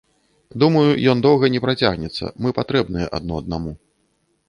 Думаю, ён доўга не працягнецца, мы патрэбныя адно аднаму.